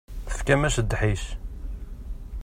Tefkam-as ddḥis.